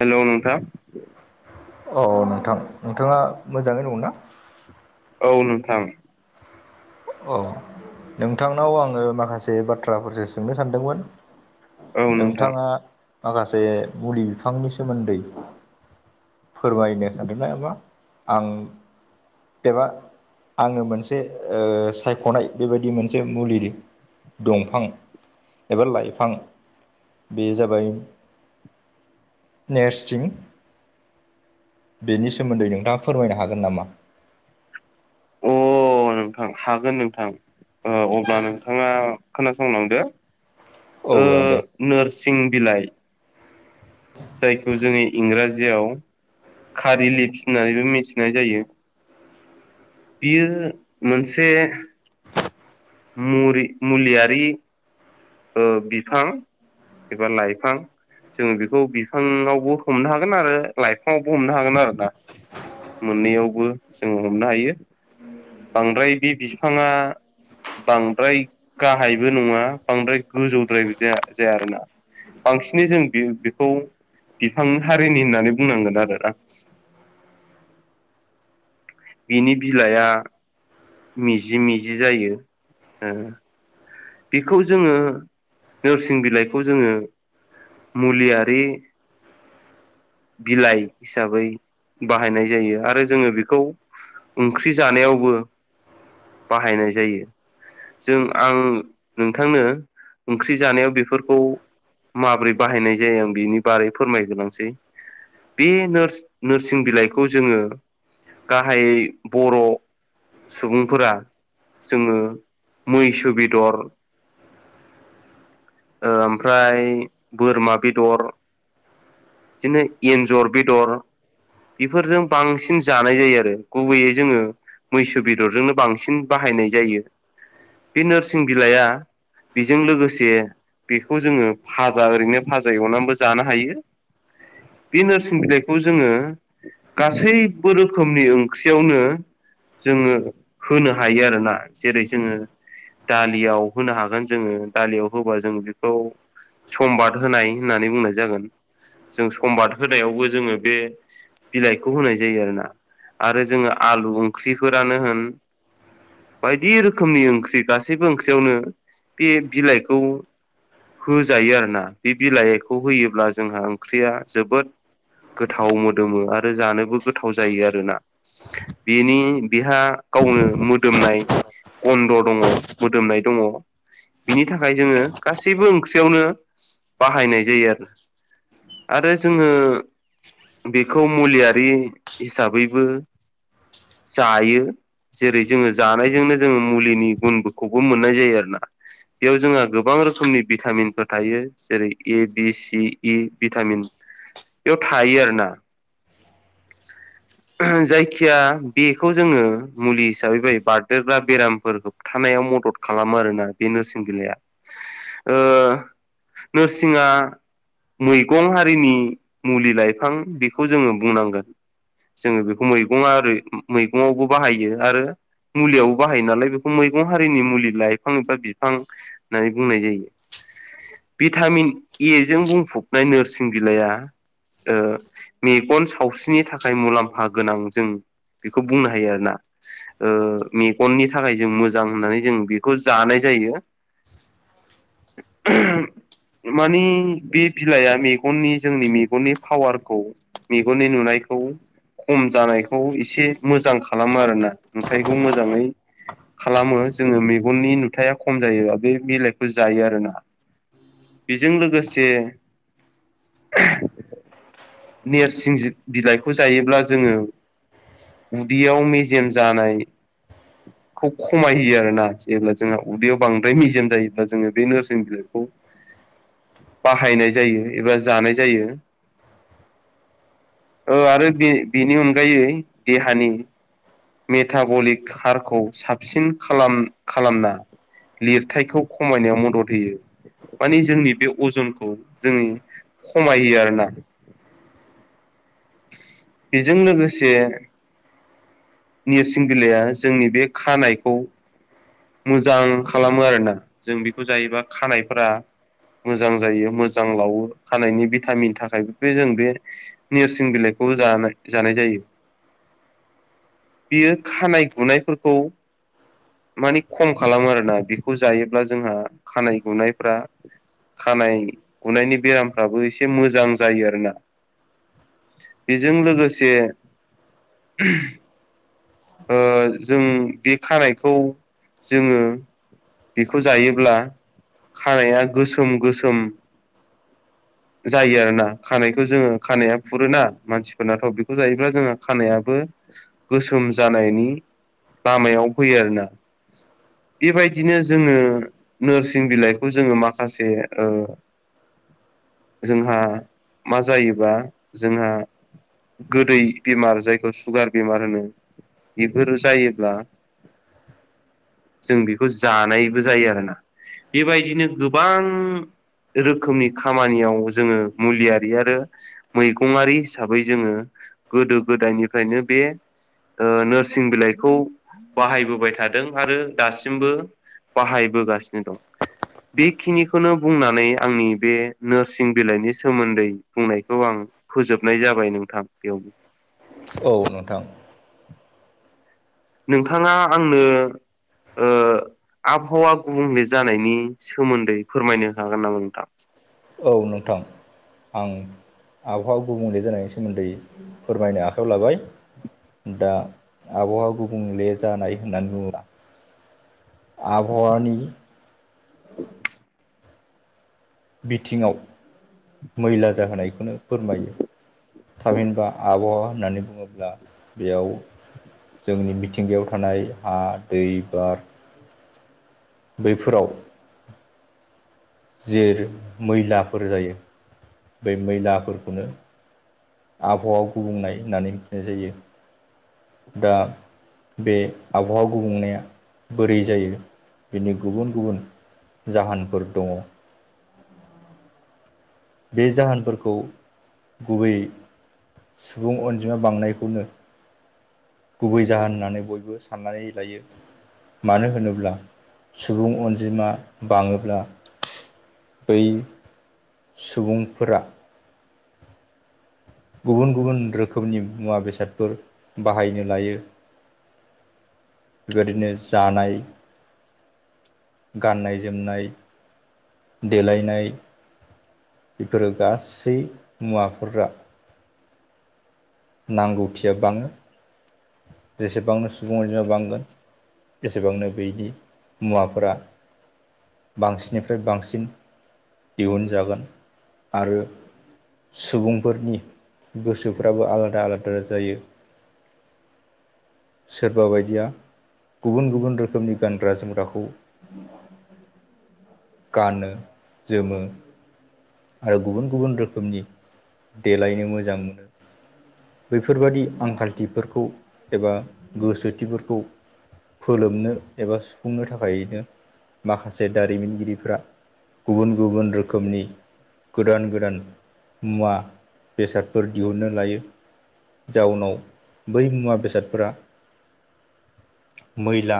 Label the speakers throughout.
Speaker 1: हेल' नोंथां।
Speaker 2: औ नोंथां नोंथाङा मोजाङै दङ ना?
Speaker 1: औ नोंथां।
Speaker 2: औ नोंथांनाव आङो माखासे बाथ्राफोरसो सोंनो सानदोंमोन।
Speaker 1: औ नोंथां
Speaker 2: नोंथाङा माखासे मुलि बिफांनि सोमोन्दै फोरमायनो सानदोंना एबा आं एबा आङो मोनसे ओ सायख'नाय बेबायदि मोनसे मुलि दंफां एबा लाइफां बे जाबाय नेरसिं बेनि सोमोन्दै नोंथाङा फोरमायनो हागोन नामा?
Speaker 1: अ नोंथां हागोन नोंथां अब्ला नोंथाङा खोनासंलांदो।
Speaker 2: औ
Speaker 1: ओ
Speaker 2: जागोन दे।
Speaker 1: नोरसिं बिलाइ जायखौ जोङो इंराजियाव खारि लिप्स होननानैबो मिथिनाय जायो। बियो मोनसे मुरि मुलियारि ओ बिफां एबा लाइफां जोङो बेखौ बिफाङावबो हमनो हागोन आरो लाइफांआवबो हमनो हागोन आरोना मोननैयावबो जोङो हमनो हायो। बांद्राय बे बिफाङा बांद्राय गाहायबो नङा बांद्राय गोजौद्रायबोाया जाया आरो ना बांसिनै जों बे बेखौ बिफां हारिनि होननानै बुंनांगोन आरोोना बिनि बिलाइआ मिजि मिजि जायो बेखौ जोङो नोरसिं बिलाइखौ जोङो मुलियारि बिलाइ हिसाबै बाहायनाय जायो आरो जोङो बेखौ ओंख्रि जानायावबो बाहायनाय जायो जों आं नोंथांनो ओंख्रि जानायाव बेफोरखौ माबोरै बाहायनाय जायो आं बिनि बारै फोरमायग्रोलांसै बे नोरसिं बिलाइखौ जोङो गाहाय बर' सुबुंफोरा जोङो मैसो बेदर ओमफ्राय बोरमा बेदर बिदिनो एन्जर बेदर बेफोरजों बांसिन जानाय जायो आरो गुबैयै जोङो मैसो बेदरजोंनो बांसिन बाहायनाय जायो बे नोरसिं बिलाइआ बेजों लोगोसे बेखौ जोङो फाजा ओरैनो भाजा एवनानैबो जानो हायो बे नोरसिं बिलाइखौ जोङो गासैबो रोखोमनि ओंख्रियावनो जोङो होनो हायो आरोना जेरै जोङो दालियाव होनो हागोन जोङो दालियाव होबा जों बेखौ समबाद होनाय होननानै बुंनाय जागोन जों समबाद होनायावबो जोङो बे बिलाइखौ होनाय जायो आरो ना आरो जोङो आलु ओंख्रिफोरानो होन बायदि रोखोमनि ओंख्रि गासैबो ओंख्रियावनो बे बिलाइखौ होजायो आरोोना बे बिलाइखौ होयोब्ला जोंहा ओंख्रिया जोबोद गोथाव मोदोमो आरो जानोबो गोथाव जायो आरोना बेनि बेहा गावनो मोदोमनाय अन्द दङ मोदोमनाय दङ बिनि थाखाय जोङो गासैबो ओंख्रियावनो बाहायनाय जायो आरो आरो जोङो बेखौ मुलियारि हिसाबैबो जायो जेरै जोङो जानायजोंनो जोङो मुलिनि गुनखौबो मोननाय जायो आरो ना बेयाव जोंहा गोबां रोखोमनि भिटामिनफोर थायो जेरै ए बि सि इ भिटामिन बेयाव थायो आरो ना जायखिया बेखौ जोङो मुलि हिसाबै ब बारदेरग्रा बेरामफोरखौ खानायाव मदद खालामो आरोना बे नोरसिं बिलाया नोरसिंङा मैगं हारिनि मुलि लाइफां बेखौ जोङो बुंनांगोन जोङो बेखौ मैगंा मैगंावबो बाहायो आरो मुलियावबो बाहायो नालाय बेखौ मैगं हारिनि मुलि लाइफां एबा बिफां होननानै बुंनाय जायो भिटामिन ए जों बुंफबनाय नोरसिं बिलाइआ मेगन सावस्रि बि नि थाखाय मुलाम्फा गोनां जों बेखौ बुंनो हायो आरोना मेगननि थाखाय जों मोजां होननानै जों बेखौ जानाय जायो [inaudible] मानिे बे बिलाइआ मेगननि जोंनि मेगननि पावारखौ मेगननि नुनाय खौ खम जानायखौ एसे मोजां खालामो आरोना नुथाइखौ मोजाङै खालामो जोङो मेगननि नुथाया खम जायो बे बिलाइखौ जायो आरोना बेजों लोगोसे नेरसिं बिलाइखौ जायोब्ला जोङो उदैयाव मेज जेम जानाय खौ खमायहयो आरोना जेब्ला जोंहा उदैयाव बांद्राय मेजेम जायोब्ला जोङो बे नोरसिं बिलाइखौ बाहायनाय जायो एबा जानाय जायो ओ आरो बे बेनि अनगायै देहानि मेटाबलिक हारखौ साबसिन खालाम खालामना लिरथायखौ खमायनायाव मदद होयो मानि जोंनि बे अजनखौ जोङो खमायो आरोना बेजों लोगोसे नेरसिं बिलाइया जोंनि बे खानायखौ मोजां खालामो आरोना जों बेखौ जायोैबा खानायफोरा मोजां जायो मोजां लावो खानायनि भिटामिन थाखाय बे जों बे नोरसिं बिलाइखौबो जानाय जानाय जायो बियो खानाय गुनायफोरखौ मानि खम खालामो आरोना बेखौ जायोब्ला जोंहा खानाय गुनायफ्रा खानाय गुनायनि बेरामफ्राबो एसे मोजां जायो आरोना बेजों लोगोसे ओ जों बे खानायखौ जोङो बेखौ जायोब्ला खानाया गोसोम गोसोम जायो आरोना खानायखौ जोङो खानाया फुरोना मानसिफोरनाथ' बेखौ जायोब्ला जोङो खानायाबो गोसोम जानायनि लामायाव फैयो आरोना बेबायदिनो जोङो नोरसिं बिलाइखौ जोङो माखासे ओ जोंहा मा जायोबा जोंहा गोदै बेमार जायखौ सुगार बेमार होनो बेफोर जायोब्ला जों बेखौ जानायबो जायो आरो ना बेबायदिनो गोबां रोखोमनि खामानियाव जोङो मुलियारि आरो मैगंआारि हिसाबै जोङो गोदो गोदायनिफ्रायनो बे ओ नोरसिं बिलाइखौ बाहायबोबाय थादों आरो दासिमबो बाहायबोगासिनो दं बेखिनिखौनो बुंनानै आंनि बे नोरसिं बिलाइनि सोमोन्दै बुंनायखौ आं फोजोबनाय जाबाय नोंथां बेयावबो
Speaker 2: औ नोंथां
Speaker 1: नोंथाङा आंनो ओ आबहावा गुबुंले जानायनि सोमोन्दै फोरमायनो हागोन नामा नोंथां
Speaker 2: औ नोंथां आं आबहावा गुबुंले जानायनि सोमोन्दै फोरमायनो आखायाव लाबाय दा आबहावा गुबुंले जानाय होननानै बुङोब्ला आबहावानि बिथिङाव मैला जाहोनायखौनो फोरमायो थामहिनबा आबहावा होननानै बुङोब्ला बेयाव जोंनि मिथिंगायाव थानाय हा दै बार बैफोराव जेरै मैलाफोर जायो बै मैलाफोरखौनो आबहावा गुबुंनाय होननानै मिथिनाय जायो दा बे आबहावा गुबुंनाया बोरै जायो बिनि गुबुन-गुबुन जाहोनफोर दङ। बे जाहोनफोरखौ गुबुयै सुबुं अनजिमा बांनायखौनो गुबै जाहोन होननानै बयबो साननानै लायो। मानो होनोब्ला सुबुं अनजिमा बाङोब्ला बै सुबुंफोरा गुबुन-गुबुन रोखोमनि मुवा बेसादफोर बाहायनो लायो इदिनो जानाय गाननाय जोमनाय देलायनाय फोरो गासै मुवाफोरा नांगौथिया बाङो। जेसेबांनो सुबुं अनजिमाया बांगोन एसेबांनो बैदि मुवाफोरा बांसिननिफ्राय बांसिन दिहुनजागोन आरो सुबुंफोरनि गोसोफ्राबो आलादा-आलादा जायो। सोरबा बायदिया गुबुन-गुबुन रोखोमनि गानग्रा जोमग्राखौ गानो जोमो आरो गुबुन-गुबुन रोखोमनि देलायनो मोजां मोनो। बेफोरबायदि आंखालथिफोरखौ एबा गोसोथिफोरखौ फोलोमनो एबा सुफुंनो थाखायनो माखासे दारिमिनगिरिफ्रा गुबुन-गुबुन रोखोमनि गोदान-गोदान मुवा बेसादफोर दिहुननो लायो। जाउनाव बै मुवा बेसादफोरा मैला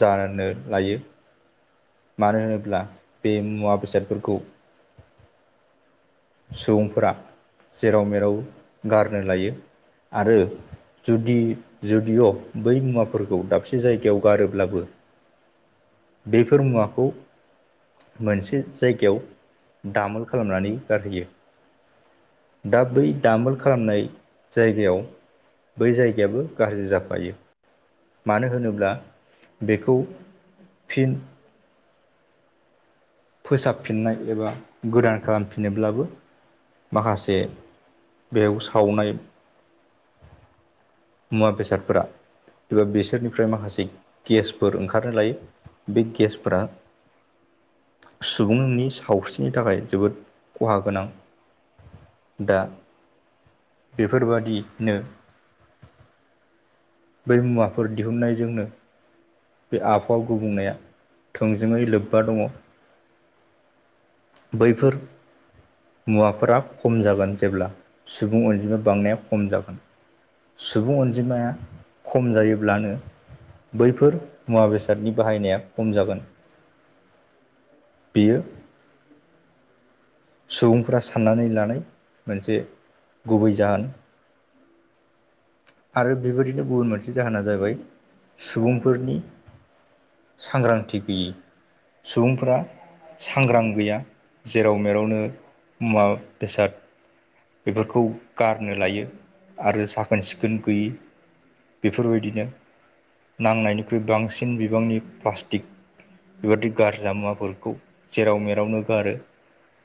Speaker 2: जानो लायो। मानो होनोब्ला बे मुवा बेसादफोरखौ सुबुंफोरा जेराव मेराव गारनो लायो आरो जुदि जुदिअ' बै मुवाफोरखौ दाबसे जायगायाव गारोब्लाबो बेफोर मुवाखौ मोनसे जायगायाव दामोल खालामनानै गारहैयो। दा बै दामोल खालामनाय जायगायाव बै जायगायाबो गाज्रि जाफायो। मानो होनोब्ला बेखौ फिन फोसाबफिननाय एबा गोदान खालामफिनोब्लाबो माखासे बेयाव सावनाय मुवा बेसादफोरा बेसोरनिफ्राय माखासे गेसफोर ओंखारनो लायो बे गेसफोरा सुबुंनि सावस्रिनि थाखाय जोबोद खहा गोनां। दा बेफोरबादिनो बै मुवाफोर दिहुननायजोंनो आबहावा गुबुंनाया थोंजोङै लोब्बा दङ। बैफोर मुवाफोरा खम जागोन जेब्ला सुबुं अनजिमा बांनाया खम जागोन। सुबुं अनजिमाया खम जायोब्लानो बैफोर मुवा बेसादनि बाहायनाया खम जागोन। बेयो सुबुंफोरा साननानै लानाय मोनसे गुबै जाहोन। आरो बेबायदिनो गुबुन मोनसे जाहोना जाहैबाय सुबुंफोरनि सांग्रांथि गैयै सुबुंफोरा सांग्रां गैया जेराव मेरावनो मुवा बेसाद बेफोरखौ गारनो लायो आरो साखोन सिखोन गैयि बेफोरबायदिनो नांनायनिख्रुइ बांसिन बिबांनि प्लास्टिक बेबादि गारजा मुवाफोरखौ जेराव मेरावनो गारो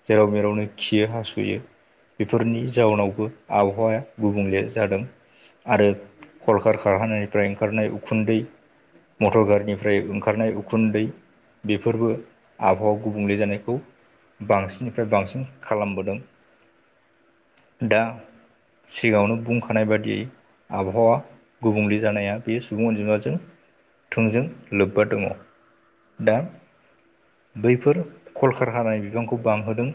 Speaker 2: जेराव मेरावनो खियो हासुयो बेफोरनि जाउनावबो आबहावाया गुबुंले जादों आरो खरखार खारहानायनिफ्राय ओंखारनाय उखुन्दै मटर गारिनिफ्राय ओंखारनाय उखुन्दै बेफोरबो आबहावा गुबुंले जानायखौ बांसिननिफ्राय बांसिन खालामबोदों दा सिगाङावनो बुंखानाय बादियै आबहावा गुबुंले जानाया बे सुबुं अनजिमाजों थोंजों लोब्बा दङ दा बैफोर कलखार हानाय बिबांखौ बांहोदों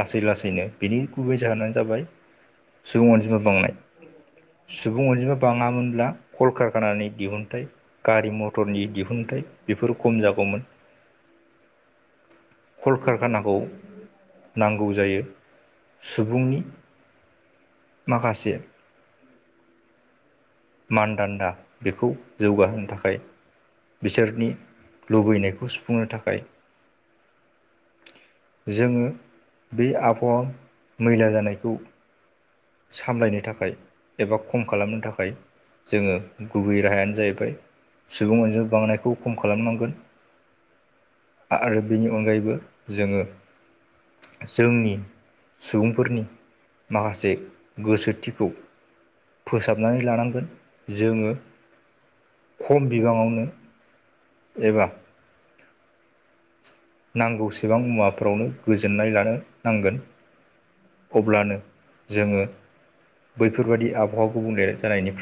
Speaker 2: लासै लासैनो बिनि गुबै जाहोनानो जाबाय सुबुं अनजिमा बांनाय सुबुं अनजिमा बाङामोनब्ला कलकारखानानि दिहुनथाइ गारि मथरनि दिहुनथाइ बेफोरो खम जागौमोन
Speaker 1: [inaudible]
Speaker 2: कल कारखानाखौ नांगौ जायो सुबुंनि माखासे मानदान्दा बेखौ जौगाहोनो थाखाय बिसोरनि लुबैनायखौ सुफुंनो थाखाय जोङो बे आबहावा मैला जानायखौ सामलायनो थाखाय एबा खम खालामनो थाखाय जोङो गुबै राहायानो जाहैबाय सुबुं अनजों बांनायखौ खम खालामनांगोन आरो बेनि अनगायैबो जोङो जोंनि सुबुंफोरनि माखासे गोसोथिखौ फोसाबनानै लानांगोन जोङो खम बिबाङावनो एबा नांगौसेबां मुवाफोरावनो गोजोननाय लानो नांगोन अब्लानो जोङो बैफोरबाददि आबहावा गुबुंले जानायनिफ्राय